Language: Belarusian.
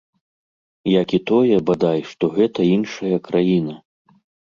Як і тое, бадай, што гэта іншая краіна.